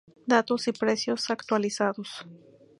Datos y precios actualizados